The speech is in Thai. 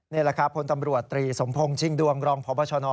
นี่แหละครับพลตำรวจตรีสมพงศ์ชิงดวงรองพบชน